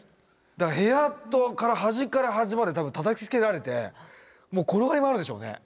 だから部屋の端から端まで多分たたきつけられてもう転がり回るでしょうね。